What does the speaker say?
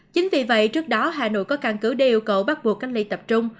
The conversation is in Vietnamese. chính vì vậy trước đó hà nội có căn cứ đề yêu cầu bắt buộc cách ly tập trung